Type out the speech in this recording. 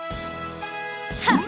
はっ！